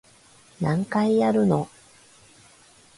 何回やるの